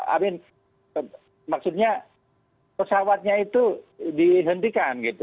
amin maksudnya pesawatnya itu dihentikan